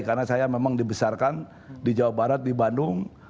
karena saya memang dibesarkan di jawa barat di bandung